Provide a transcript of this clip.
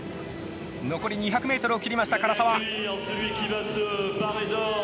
残り２００ｍを切りました、唐澤。